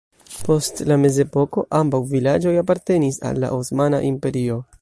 Post la mezepoko ambaŭ vilaĝoj apartenis al la Osmana Imperio.